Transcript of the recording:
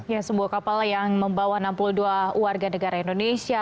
ya sebuah kapal yang membawa enam puluh dua warga negara indonesia